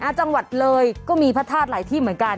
จังหวัดเลยก็มีพระธาตุหลายที่เหมือนกัน